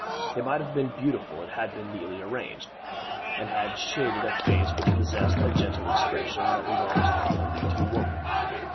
It might have been beautiful if it had been neatly arranged, and had shaded a face which possessed the gentle expression that belongs properly to woman.